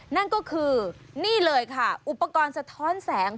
นั่นก็คือนี่เลยค่ะอุปกรณ์สะท้อนแสง